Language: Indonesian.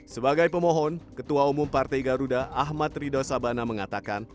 sebagai pemohon ketua umum partai garuda ahmad rido sabana mengatakan